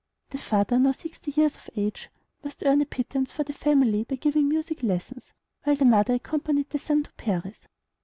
The father, now sixty years of age, must earn a pittance for the family by giving music lessons, while the mother accompanied the son to Paris.